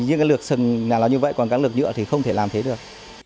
nhưng cái lược sừng nào nó như vậy còn cái lược nhựa thì không thể làm thế được